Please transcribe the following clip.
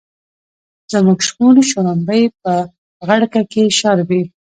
زموږ شپون شړومبی په غړکه کې شاربي.